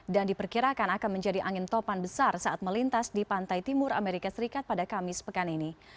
dan diperkirakan akan menjadi angin topan besar saat melintas di pantai timur amerika serikat pada kamis pekan ini